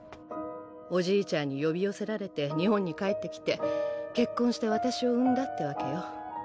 おじいちゃんに呼び寄せられて日本に帰って来て結婚して私を産んだってわけよ。